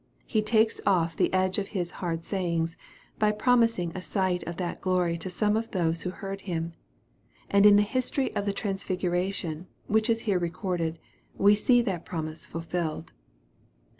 He takes off the edge of His " hard sayings," by promising a sight of that glory to some of those who heard Him. And in the history of the transfiguration, which is here recorded, we see that promise fulfilled.